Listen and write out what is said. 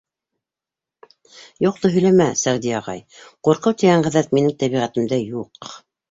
— Юҡты һөйләмә, Сәғди ағай, ҡурҡыу тигән ғәҙәт минең тәбиғәтемдә юҡ.